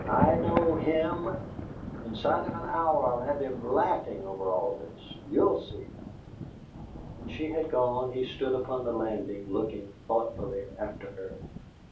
"I know HIM! Inside of an hour I'll have him LAUGHIN' over all this. You'll see!" When she had gone, he stood upon the landing looking thoughtfully after her.